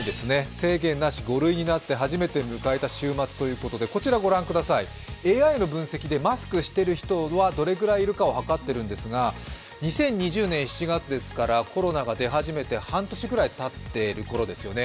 制限なし、５類になって初めて迎えた週末ということで、こちら、ＡＩの分析でマスクをしている人はどれぐらいいるかをはかっているんですが２０２０年７月ですから、コロナが出始めて半年ぐらいたっているころですよね。